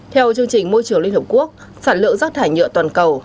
theo chương trình môi trường liên hợp quốc sản lượng rác thải nhựa toàn cầu